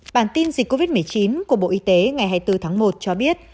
bản tin dịch covid một mươi chín của bộ y tế ngày hai mươi bốn tháng một cho biết